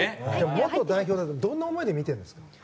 元代表はどんな思いで見ているんですか？